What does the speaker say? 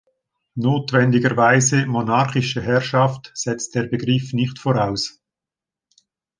Notwendigerweise monarchische Herrschaft setzt der Begriff nicht voraus.